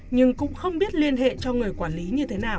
nhưng cũng không biết liên hệ cho người quản lý như thế nào